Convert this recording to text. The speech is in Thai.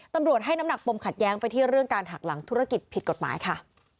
ตำรวจให้น้ำหนักปมขัดแย้งไปที่เรื่องการหักหลังธุรกิจผิดกฎหมายค่ะ